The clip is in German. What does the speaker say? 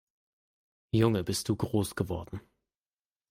Junge, bist du groß geworden!